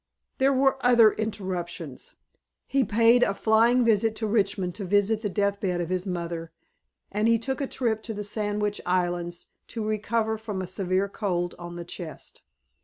There were other interruptions. He paid a flying visit to Richmond to visit the death bed of his mother, and he took a trip to the Sandwich Islands to recover from a severe cold on the chest.